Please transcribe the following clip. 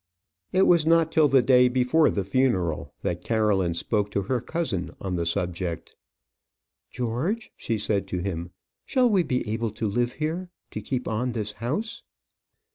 It was not till the day before the funeral that Caroline spoke to her cousin on the subject. "George," she said to him, "shall we be able to live here? to keep on this house?"